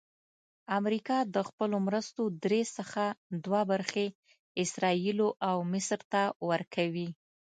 امریکا د خپلو مرستو درې څخه دوه برخې اسراییلو او مصر ته ورکوي.